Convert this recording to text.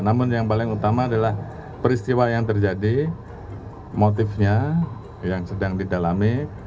namun yang paling utama adalah peristiwa yang terjadi motifnya yang sedang didalami